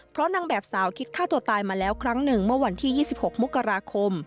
เพราะนางแบบสาวคิดฆ่าตัวตายมาแล้วครั้งหนึ่งเมื่อวันที่๒๖มกราคม